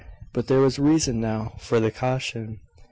But there was reason now for the caution.